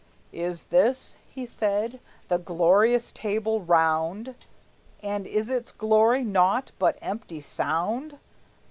"Is this," he said, "the glorious Table Round, And is its glory naught but empty sound?